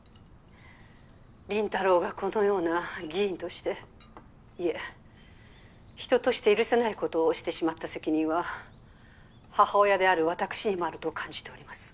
倫太郎がこのような議員としていえ人として許せないことをしてしまった責任は母親であるわたくしにもあると感じております。